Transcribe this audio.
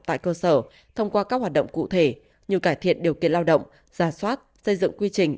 tại cơ sở thông qua các hoạt động cụ thể như cải thiện điều kiện lao động giả soát xây dựng quy trình